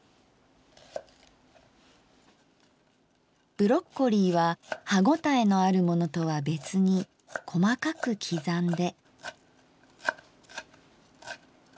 ブロッコリーは歯応えのあるものとは別に細かく刻んで。